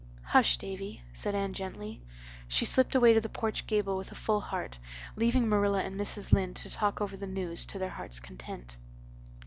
"Hush, Davy," said Anne gently. She slipped away to the porch gable with a full heart, leaving Marilla and Mrs. Lynde to talk over the news to their hearts' content.